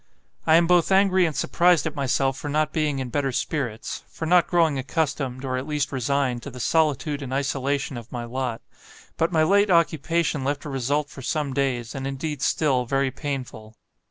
"I am both angry and surprised at myself for not being in better spirits; for not growing accustomed, or at least resigned, to the solitude and isolation of my lot. But my late occupation left a result for some days, and indeed still, very painful.